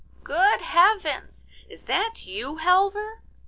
'Good Heavens! is that you, Halvor?